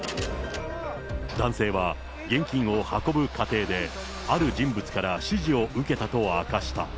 男性は現金を運ぶ過程で、ある人物から指示を受けたと明かした。